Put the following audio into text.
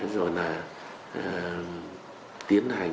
rồi là tiến hành